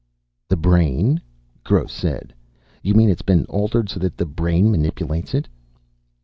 "The brain?" Gross said. "You mean it's been altered so that the brain manipulates it?"